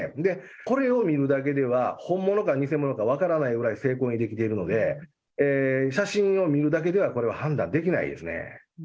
これを見るだけでは、本物か偽物か分からないぐらい精巧に出来ているので、写真を見るだけでは、これは判断できないですね。